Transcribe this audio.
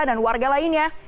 dan warga lainnya